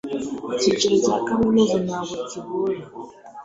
icyiciro cya kaminuza ntabwo kigora